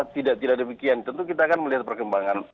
tidak tidak demikian tentu kita akan melihat perkembangan